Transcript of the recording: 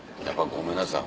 ごめんなさい